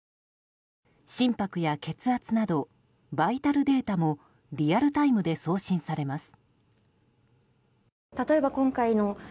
心拍や血圧などバイタルデータもリアルタイムで送信されます。